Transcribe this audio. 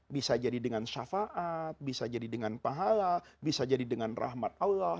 bisa jadi dengan syafaat bisa jadi dengan pahala bisa jadi dengan rahmat allah